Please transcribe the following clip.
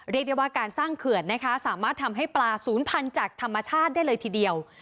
เรียกได้ว่าการสร้างเขื่อนนะคะสามารถทำให้ปลาศูนย์พันธุ์จากธรรมชาติได้เลยทีเดียว